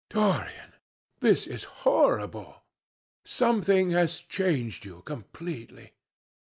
"Dorian, this is horrible! Something has changed you completely.